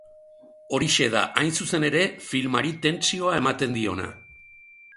Horixe da, hain zuzen ere, filmari tentsioa ematen diona.